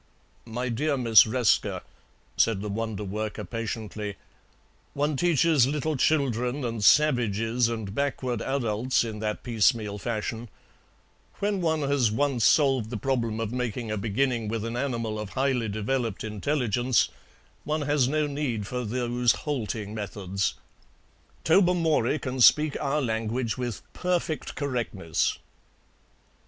"My dear Miss Resker," said the wonderworker patiently, "one teaches little children and savages and backward adults in that piecemeal fashion; when one has once solved the problem of making a beginning with an animal of highly developed intelligence one has no need for those halting methods. Tobermory can speak our language with perfect correctness."